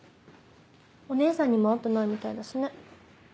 お姉さんにも会ってないみたいだしね。